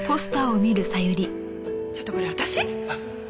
ちょっとこれ私？